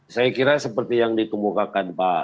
saya kira seperti yang ditemukakan pak fikar